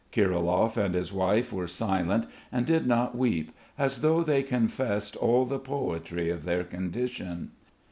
Kirilov and his wife were silent and did not weep, as though they confessed all the poetry of their condition.